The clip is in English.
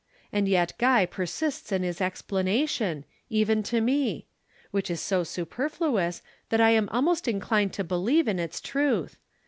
And yet Guy persists in his explanation, even to me; which is so superfluous that I am almost inclined to believe in its truth.